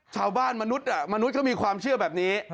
ชาวบ้านมนุษย์อ่ะมนุษย์เขามีความเชื่อแบบนี้